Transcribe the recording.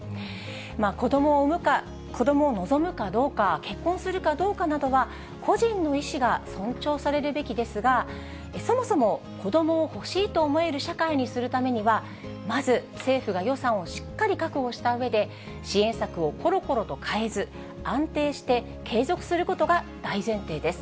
子どもを産むか子どもを望むかどうか、結婚するかどうかなどは、個人の意思が尊重されるべきですが、そもそも子どもを欲しいと思える社会にするためには、まず政府が予算をしっかり確保したうえで、支援策をころころと変えず、安定して継続することが大前提です。